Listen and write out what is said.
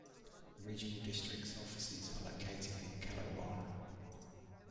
The regional district's offices are located in Kelowna.